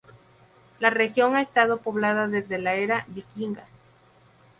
La región ha estado poblada desde la era vikinga.